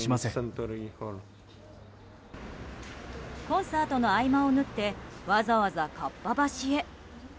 コンサートの合間を縫ってわざわざ、かっぱ橋へ。